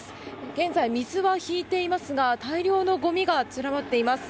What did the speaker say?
現在、水は引いていますが大量のごみが散らばっています。